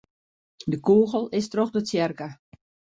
De kûgel is troch de tsjerke.